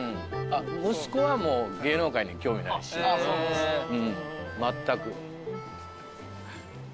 息子はもう芸能界に興味ないしまったく。